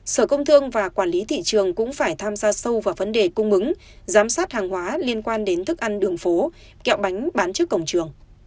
sở công thương và quản lý thị trường cũng phải tham gia sâu vào vấn đề cung ứng giám sát hàng hóa liên quan đến thức ăn đường phố kẹo bánh trước cổng trường